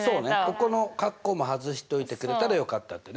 ここのカッコも外しといてくれたらよかったっていうね。